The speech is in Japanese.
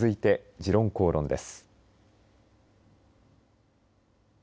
「時論公論」です。